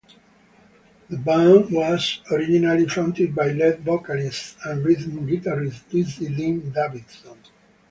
The band was originally fronted by lead vocalist and rhythm guitarist "Dizzy" Dean Davidson.